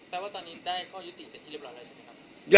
ว่าตอนนี้ได้ข้อยุติเป็นที่เรียบร้อยแล้วใช่ไหมครับ